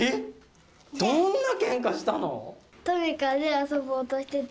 どんなケンカしたの？